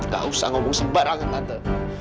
gak usah ngomong sembarangan tante